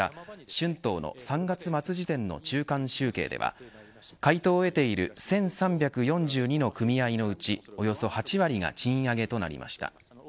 春闘の３月末時点の中間集計では回答を得ている１３４２の組合のうちおよそ８割が賃上げとなりました。